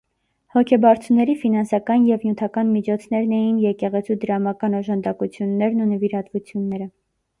Հոգաբարձուների ֆինանսական և նյութական միջոցներն էին եկեղեցու դրամական օժանդակություններն ու նվիրատվությունները։